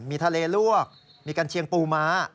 มีทะเลลวกมีกัญเชียงปูม้า